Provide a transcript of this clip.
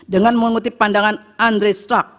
dengan mengutip pandangan andri strak